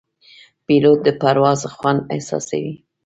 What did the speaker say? پیلوټ د پرواز خوند احساسوي.